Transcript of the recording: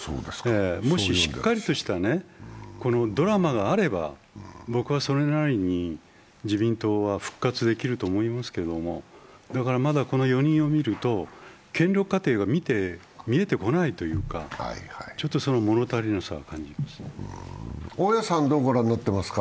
もし、しっかりとしたドラマがあれば、僕はそれなりに自民党は復活できると思いますけれども、まだこの４人を見ると、権力過程が見えてこないというかちょっと、もの足りなさを感じますね。